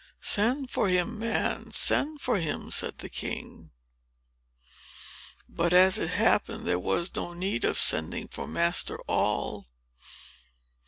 "Send for him, man! send for him!" said the king. But, as it happened, there was no need of sending for Master Noll.